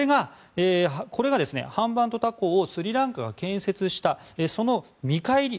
これがハンバントタ港をスリランカが建設したその見返り